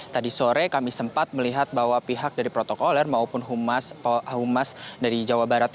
tadi sore kami sempat melihat bahwa pihak dari protokoler maupun humas dari jawa barat